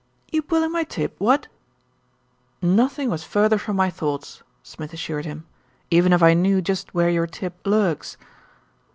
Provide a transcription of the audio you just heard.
"You pulling my tib, what!" "Nothing was further from my thoughts," Smith assured him, "even if I knew just where your tib lurks."